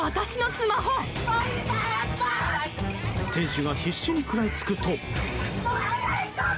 店主が必死に食らいつくと。